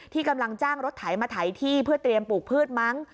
กำลังจ้างรถไถมาไถที่เพื่อเตรียมปลูกพืชมั้ง